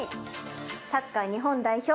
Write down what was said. サッカー日本代表